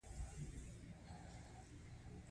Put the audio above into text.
دوی څلور نور ساعتونه د پانګوال لپاره کار کاوه